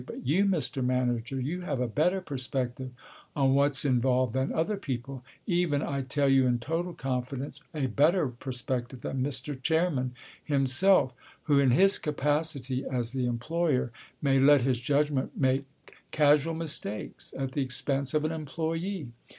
But you, Mr. Manager, you have a better perspective on what's involved than other people, even, I tell you in total confidence, a better perspective than Mr. Chairman himself, who in his capacity as the employer may let his judgment make casual mistakes at the expense of an employee.